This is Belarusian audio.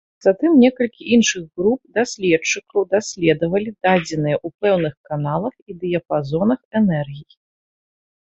Затым некалькі іншых груп даследчыкаў даследавалі дадзеныя ў пэўных каналах і дыяпазонах энергій.